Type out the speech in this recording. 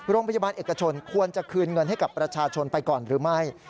โรงพยาบาลเอกชนควรจะคืนเงินให้กับประชาชนไปก่อนหรือไม่